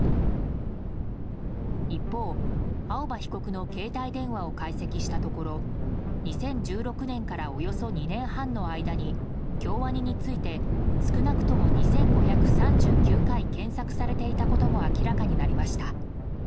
一方、青葉被告の携帯電話を解析したところ２０１６年からおよそ２年半の間に京アニについて少なくとも２５３９回検索されていたことも明らかになりました。